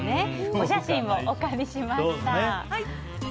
お写真をお借りしました。